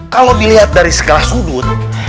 kalau dilihat dari segala sudut